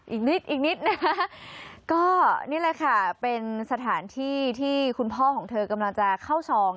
อีกนิดอีกนิดนะคะก็นี่แหละค่ะเป็นสถานที่ที่คุณพ่อของเธอกำลังจะเข้าซอง